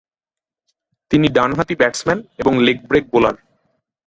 তিনি ডানহাতি ব্যাটসম্যান এবং লেগ ব্রেক বোলার।